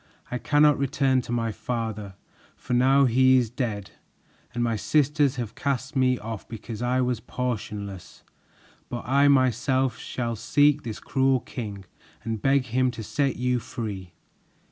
I cannot return to my father, for now he is dead, and my sisters have cast me off because I was portionless; but I myself shall seek this cruel king and beg him to set you free."